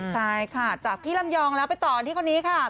ใช่ค่ะจากพี่ลำยองแล้วไปต่อกันที่คนนี้ค่ะ